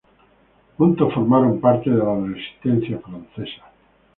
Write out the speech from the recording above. Juntos formaron parte de la Resistencia francesa.